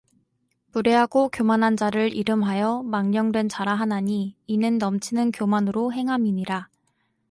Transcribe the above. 무례하고 교만한 자를 이름하여 망령된 자라 하나니 이는 넘치는 교만으로 행함이니라